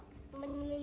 saya sedang menyesal